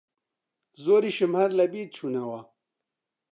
زۆریشم هەر لەبیر چوونەوە